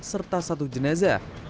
serta satu jenazah